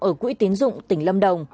ở quỹ tiến dụng tỉnh lâm đồng